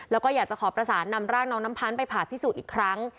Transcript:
แล้วก็อยากจะขอประสานนำร่างน้องน้ำพันธ์ไปผ่าพิสูจน์อีกครั้ง